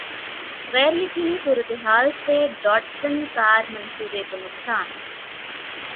غیریقینی صورتحال سے Datsun car منصوبے کو نقصان